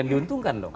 yang diuntungkan dong